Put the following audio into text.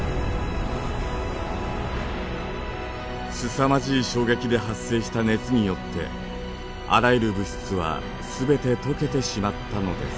すさまじい衝撃で発生した熱によってあらゆる物質は全て溶けてしまったのです。